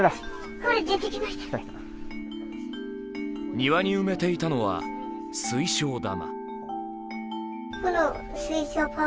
庭に埋めていたのは、水晶玉。